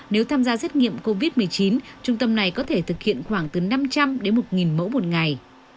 nếu tham gia xét nghiệm covid một mươi chín trung tâm này có thể thực hiện khoảng từ năm trăm linh đến một mẫu một ngày